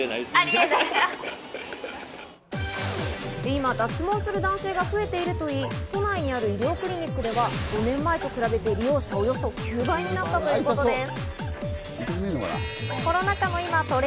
今、脱毛する男性が増えているといい、都内にある美容クリニックでは５年前と比べて、利用者およそ９倍になったそうです。